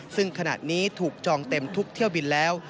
ซึ่งขณะนี้ถูกจองเต็มทุกเที่ยวบินแล้ว